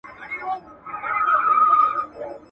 په زړه سخت په خوى ظالم لکه شداد وو.